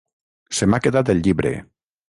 Se m'ha quedat el llibre.